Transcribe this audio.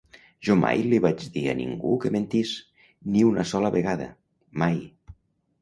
Jo mai li vaig dir a ningú que mentís, ni una sola vegada; mai.